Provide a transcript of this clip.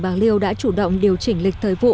bàng liêu đã chủ động điều chỉnh lịch thời vụ